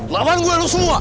lawan gue lu semua